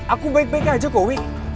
aku baik baik aja kok wih